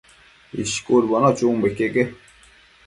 ishcudbono chunbo iqueque